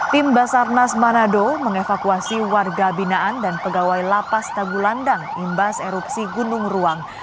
tim basarnas manado mengevakuasi warga binaan dan pegawai lapas tagulandang imbas erupsi gunung ruang